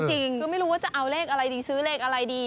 คือไม่รู้ว่าจะเอาเลขอะไรดีซื้อเลขอะไรดี